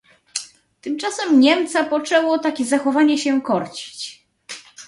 "Tymczasem Niemca poczęło takie zachowanie się korcić."